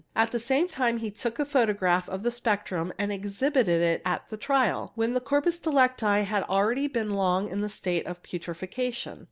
At the same time he took a photograph " of the spectrum and exhibited it at the trial, when the corpus delicti had already been long in a state of putrefaction.